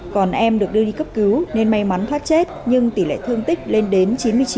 còn em được đưa đi cấp cứu nên may mắn thoát chết nhưng tỷ lệ thương tích lên đến chín mươi chín